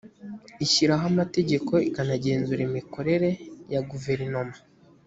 ishyiraho amategeko ikanagenzura imikorere ya guverinoma